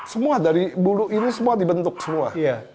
semua dari bulu ini dibentuk semua